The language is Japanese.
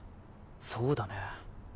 そうだね。